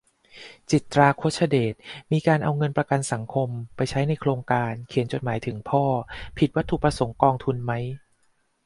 จิตรา คชเดช : มีการเอาเงินประกันสังคม ไปใช้ในโครงการ "เขียนจดหมายถึงพ่อ" ผิดวัตถุประสงค์กองทุนไหม ?